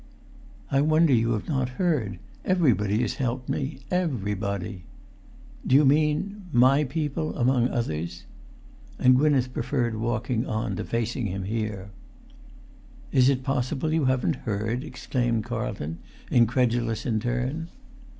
"I wonder you have not heard. Everybody has helped me—everybody!" "Do you mean—my people—among others?" And Gwynneth preferred walking on to facing him here. "Is it possible you haven't heard?" exclaimed Carlton, incredulous in turn.